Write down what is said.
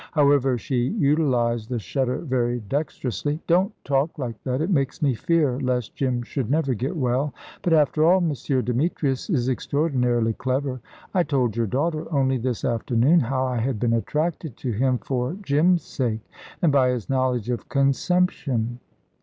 However, she utilised the shudder very dexterously. "Don't talk like that. It makes me fear lest Jim should never get well. But after all, M. Demetrius is extraordinarily clever. I told your daughter, only this afternoon, how I had been attracted to him for Jim's sake, and by his knowledge of consumption."